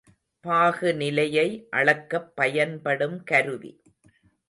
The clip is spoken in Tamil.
பாகுநிலையை அளக்கப் பயன்படும் கருவி.